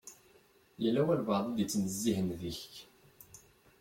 Yella walebɛaḍ i d-ittnezzihen deg-k.